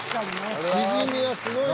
シジミはすごいんです。